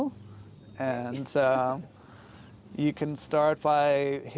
dan kemudian ke putih